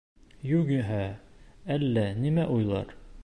Юғиһә, әллә нәмә уйлар.